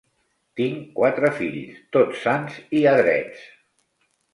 Tinc quatre fills, tots sans i adrets.